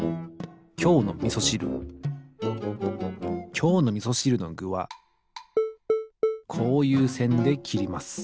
今日のみそしるのぐはこういうせんで切ります。